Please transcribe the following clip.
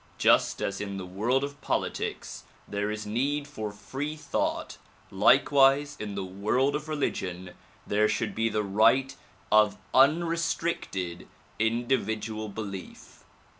Just as in the world of politics there is need for free thought, likewise in the world of religion there should be the right of unrestricted individual belief.